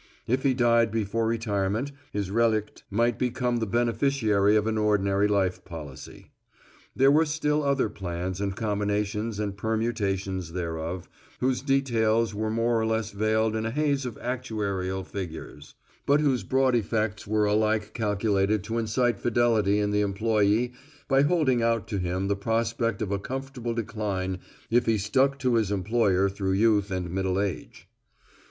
If he died before retirement his relict might become the beneficiary of an ordinary life policy. There were still other plans and combinations and permutations thereof, whose details were more or less veiled in a haze of actuarial figures, but whose broad effects were alike calculated to incite fidelity in the employe by holding out to him the prospect of a comfortable decline if he stuck to his employer through youth and middle age.